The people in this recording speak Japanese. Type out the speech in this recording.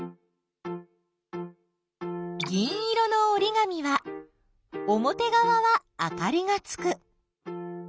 銀色のおりがみはおもてがわはあかりがつく。